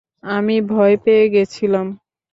আমি ভয় পেয়ে গেছিলাম!